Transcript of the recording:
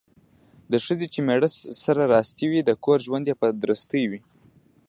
د ښځې چې میړه سره راستي وي ،د کور ژوند یې په درستي وي.